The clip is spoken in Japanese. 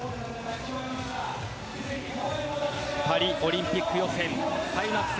パリオリンピック予選開幕戦